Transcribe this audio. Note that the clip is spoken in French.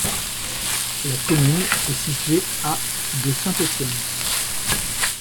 La commune est située à de Saint-Étienne.